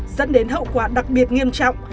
dẫn đến hậu quả đặc biệt nghiêm trọng